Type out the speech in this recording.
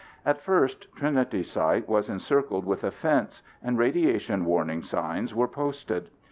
At first Trinity Site was encircled with a fence and radiation warning signs were posted.